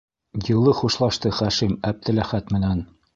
Йылы хушлашты Хашим Әптеләхәт менән.